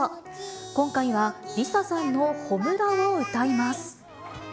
今回はＬｉＳＡさんの炎を歌います。